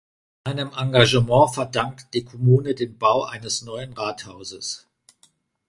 Seinem Engagement verdankte die Kommune den Bau eines neuen Rathauses.